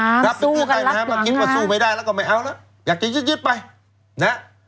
สู้กันลับหลังนะครับคิดว่าสู้ไม่ได้แล้วก็ไม่เอาแล้วอยากจะยึดยึดไปนะ